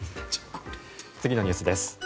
次のニュースです。